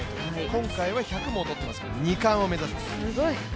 今回は１００も取っていますから、２冠を目指します。